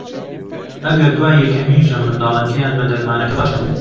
ئەگەر دوای یەکەمین ژەم منداڵەکەیان بە دەرمانەکە باش نەبوو